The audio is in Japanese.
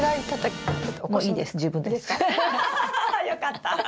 よかった。